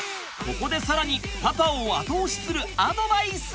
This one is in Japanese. ここで更にパパを後押しするアドバイス！